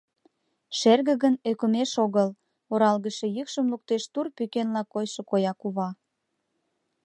— Шерге гын, ӧкымеш огыл! — оралгыше йӱкшым луктеш тур пӱкенла койшо коя кува.